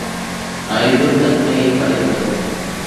அறிவு தன்மையைப் படைப்பது.